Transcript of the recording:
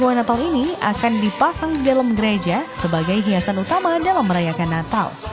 dua natal ini akan dipasang di dalam gereja sebagai hiasan utama dalam merayakan natal